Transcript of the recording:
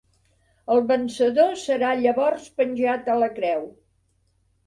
El vencedor serà llavors penjat a la creu.